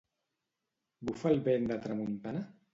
Bufa el vent de tramuntana?